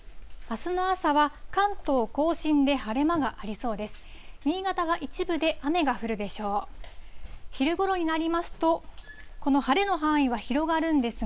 あすの朝は、関東甲信で晴れ間がありそうです。